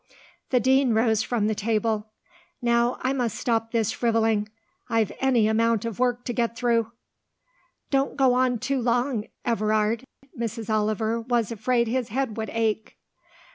The Dean rose from the table. "Now I must stop this frivolling. I've any amount of work to get through." "Don't go on too long, Everard." Mrs. Oliver was afraid his head would ache.